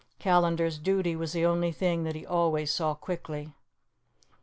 Callandar's duty was the only thing that he always saw quickly.